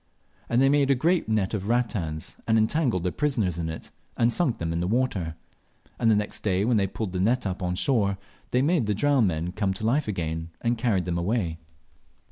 And they made a great net of rattans, and entangled their prisoners in it, and sunk them in the water; and the next day, when they pulled the net up on shore, they made the drowned men come to life again, and carried them away.